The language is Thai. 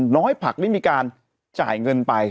ผักได้มีการจ่ายเงินไป